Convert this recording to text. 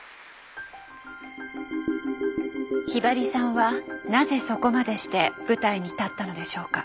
ひばりさんはなぜそこまでして舞台に立ったのでしょうか？